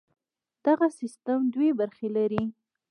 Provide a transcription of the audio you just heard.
دغه سیستم دوې برخې لري.